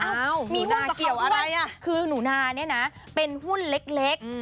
เกี่ยวอะไรอ่ะคือหนูนาเนี่ยนะเป็นหุ้นเล็ก